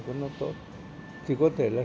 cho nó tốt thì có thể là